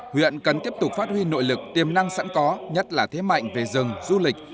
huyện cần tiếp tục phát huy nội lực tiềm năng sẵn có nhất là thế mạnh về rừng du lịch